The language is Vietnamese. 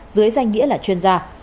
dưới danh nghĩa là chuyên gia